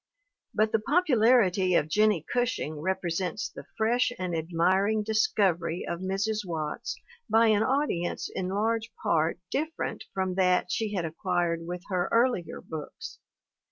But the popularity of Jennie Gushing represents the fresh and admiring discovery of Mrs. Watts by an audience in large part different from that she had acquired with her earlier books.